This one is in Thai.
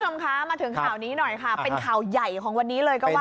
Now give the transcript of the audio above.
คุณผู้ชมคะมาถึงข่าวนี้หน่อยค่ะเป็นข่าวใหญ่ของวันนี้เลยก็ว่า